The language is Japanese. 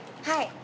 はい。